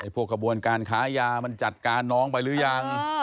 กระบวนการค้ายามันจัดการน้องไปหรือยัง